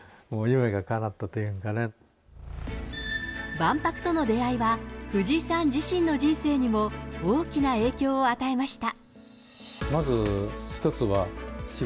万博との出会いは藤井さん自身の人生にも大きな影響を与えました。